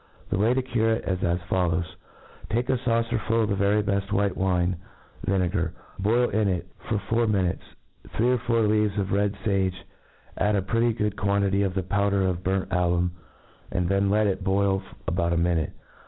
The way to cure it is as follows, Take a fitucer ful of the very beft white wine vi negar } boil in it, for four minutes, three or four leaves of red fage j add a pretty good quan* tity of the powder of burnt ailum j '^nd thcj> let it boil about a minute.